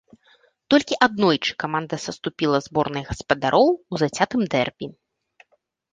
Толькі аднойчы каманда саступіла зборнай гаспадароў у зацятым дэрбі.